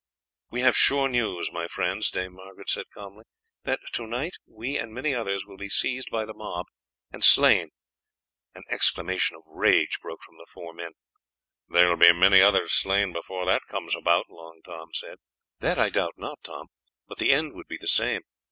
"We have sure news, my friends," Dame Margaret said calmly, "that to night we and many others shall be seized by the mob and slain." An exclamation of rage broke from the four men. "There will be many others slain before that comes about," Long Tom said. "That I doubt not, Tom, but the end would be the same.